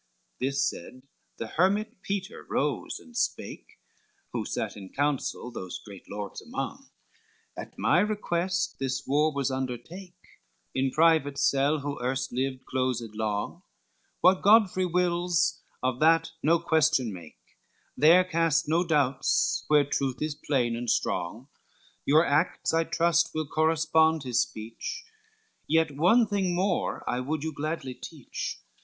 XXIX This said, the hermit Peter rose and spake, Who sate in counsel those great Lords among: "At my request this war was undertake, In private cell, who erst lived closed long, What Godfrey wills, of that no question make, There cast no doubts where truth is plain and strong, Your acts, I trust, will correspond his speech, Yet one thing more I would you gladly teach.